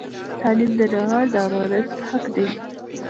تعلیم د نهار د امانت حق دی.